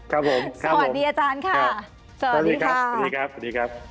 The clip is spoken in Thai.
ครับผมสวัสดีอาจารย์ค่ะสวัสดีครับสวัสดีครับสวัสดีครับ